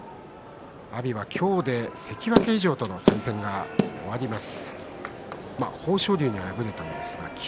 阿炎は今日で関脇以上との対戦が終わります。